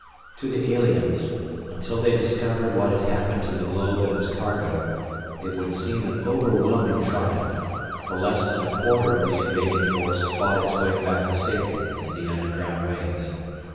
To the aliens, until they discovered what had happened to the globe and its cargo, it would seem an overwhelming triumph, for less than a quarter of the invading force fought its way back to safety in the underground ways.